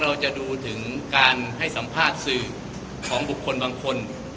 เราจะดูถึงการให้สัมภาษณ์สื่อของบุคคลบางคน